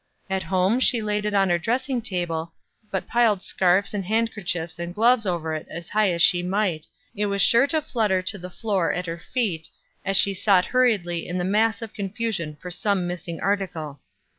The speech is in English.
At home she laid it on her dressing table, but piled scarfs and handkerchiefs and gloves over it as high as she might, it was sure to flutter to the floor at her feet, as she sought hurriedly in the mass of confusion for some missing article.